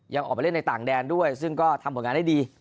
ยังออกไปเล่นในต่างแดนด้วยซึ่งก็ทำผลงานได้ดี